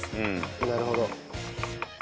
なるほど。